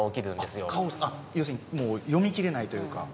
要するにもう読み切れないというか。